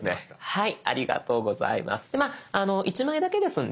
はい。